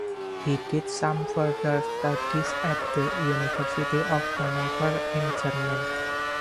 He did some further studies at the University of Hanover in Germany.